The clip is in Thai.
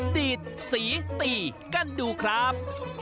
ดีดสีตีกันดูครับ